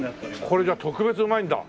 これじゃあ特別うまいんだ。